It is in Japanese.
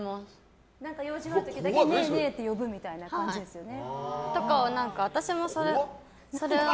用事がある時だけねえねえって呼ぶみたいな感じですよね。